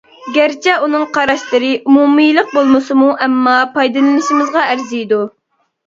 گەرچە ئۇنىڭ قاراشلىرى ئومۇمىيلىق بولمىسىمۇ ئەمما پايدىلىنىشىمىزغا ئەرزىيدۇ.